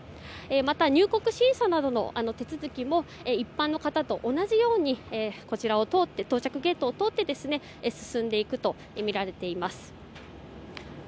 また、入国審査などの手続きも一般の方と同じように到着ゲートを通って進んでいくとみられています。